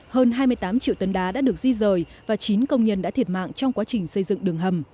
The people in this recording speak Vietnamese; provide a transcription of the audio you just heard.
hơn hai mươi tám triệu tấn đá đã được di rời và chín công nhân đã thiệt mạng trong quá trình xây dựng đường hầm